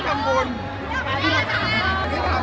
สวัสดีครับ